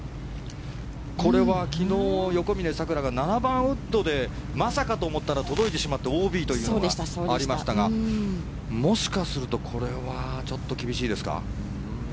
これは昨日、横峯さくらが７番ウッドでまさかと思ったら届いてしまってＯＢというのがありましたがもしかするとこれはちょっと厳しいですか。